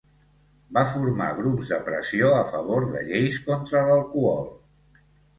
Va formar grups de pressió a favor de lleis contra l'alcohol.